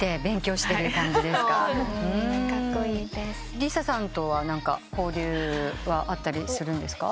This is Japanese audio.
ＬＩＳＡさんとは交流はあったりするんですか？